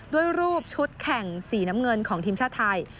รูปชุดแข่งสีน้ำเงินของทีมชาติไทย